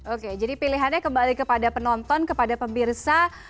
oke jadi pilihannya kembali kepada penonton kepada pemirsa